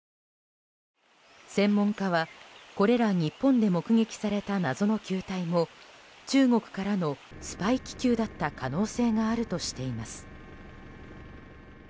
専門家はこれら日本で目撃された謎の球体も中国からのスパイ気球だった可能性があるとしています。